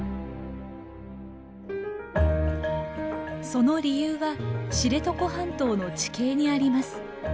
その理由は知床半島の地形にあります。